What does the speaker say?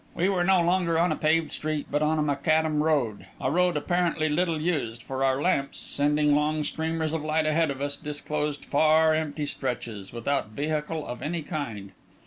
We were no longer on a paved street, but on a macadam road a road apparently little used, for our lamps, sending long streamers of light ahead of us, disclosed far empty stretches, without vehicle of any kind.